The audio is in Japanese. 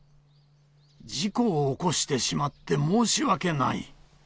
事故を起こしてしまって申し訳ない。